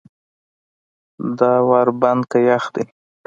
دا ور بند که یخ دی.